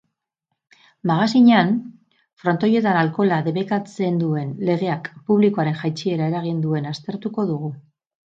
Magazinean, frontoietan alkohola debekatzen duen legeak publikoaren jaitsiera eragin duen aztertuko dugu.